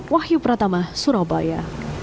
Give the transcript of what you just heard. wahyu pratama surabaya